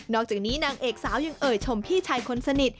อกจากนี้นางเอกสาวยังเอ่ยชมพี่ชายคนสนิท